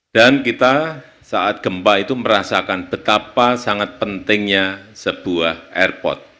dan kita saat kempah itu merasakan betapa sangat pentingnya sebuah airport